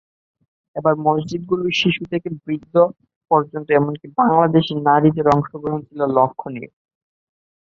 এবার মসজিদগুলোয় শিশু থেকে বৃদ্ধ পর্যন্ত এমনকি বাংলাদেশি নারীদের অংশগ্রহণ ছিল লক্ষণীয়।